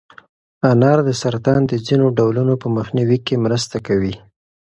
انار د سرطان د ځینو ډولونو په مخنیوي کې مرسته کوي.